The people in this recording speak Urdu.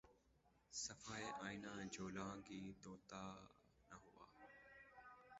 صفحۂ آئنہ جولاں گہ طوطی نہ ہوا